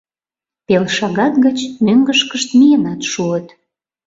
Пел шагат гыч мӧҥгышкышт миенат шуыт.